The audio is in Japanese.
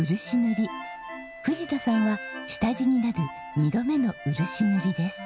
藤田さんは下地になる２度目の漆塗りです。